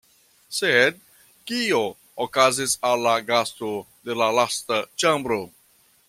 Sed, kio okazis al la gasto de la lasta ĉambro?